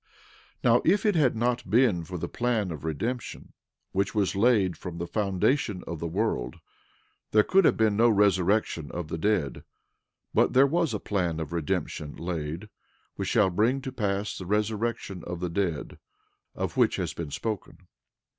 12:25 Now, if it had not been for the plan of redemption, which was laid from the foundation of the world, there could have been no resurrection of the dead; but there was a plan of redemption laid, which shall bring to pass the resurrection of the dead, of which has been spoken.